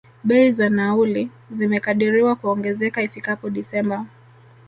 Bei za nauli, zimekadiriwa kuongezeka ifikapo December.